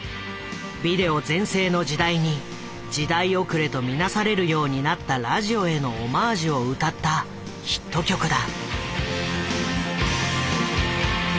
ビデオ全盛の時代に時代遅れとみなされるようになったラジオへのオマージュを歌ったヒット曲だ。